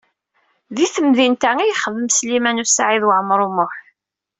Di temdint-a i ixeddem Sliman U Saɛid Waɛmaṛ U Muḥ?